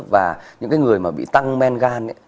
và những cái người mà bị tăng men gan